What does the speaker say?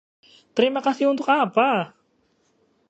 Terima kasih untuk apa?